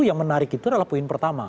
yang menarik itu adalah poin pertama